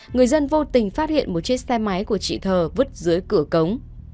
người dân vô tình phát hiện một chiếc xe máy của chị thờ vứt dưới cửa cống